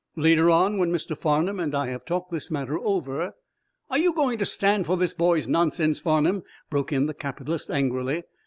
Later on, when Mr. Farnum and I have talked this matter over " "Are you going to stand for this boy's nonsense, Farnum?" broke in the capitalist, angrily.